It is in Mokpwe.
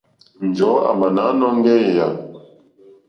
Njɔ̀ɔ́ àmǎnɔ́ŋgɛ̄ éèyé.